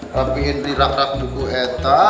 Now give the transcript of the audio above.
rampingin di rak rak buku eta